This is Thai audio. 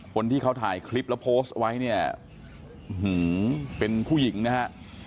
คนที่เขาถ่ายคลิปแล้วโพสต์ไว้เนี่ยเป็นผู้หญิงนะฮะ